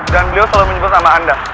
dan beliau selalu menyebut nama anda